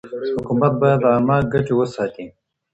حکومت بايد عامه ګټي وساتي.